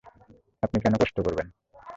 আপনি কেন কষ্ট করবেন?